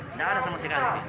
tidak ada sama sekali